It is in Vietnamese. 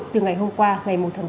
từ ngày hôm qua ngày một tháng bốn